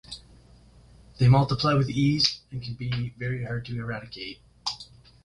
They multiply with ease and can be very hard to eradicate.